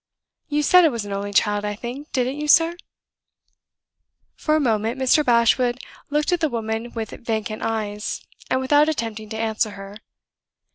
You said it was an only child, I think, didn't you, sir?" For a moment, Mr. Bashwood looked at the woman with vacant eyes, and without attempting to answer her.